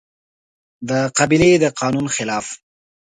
د قبيلې د قانون خلاف